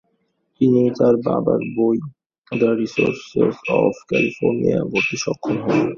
তিনি তার বাবার বই, দ্য রিসোর্সেস অফ ক্যালিফোর্নিয়া পড়তে সক্ষম হন।